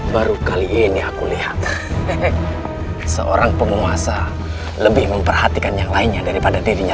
baru kali ini aku lihat seorang penguasa lebih memperhatikan yang lainnya daripada dirinya